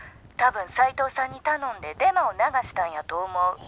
多分斎藤さんに頼んでデマを流したんやと思う」。